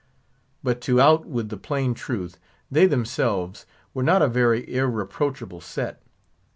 But to out with the plain truth, they themselves were not a very irreproachable set.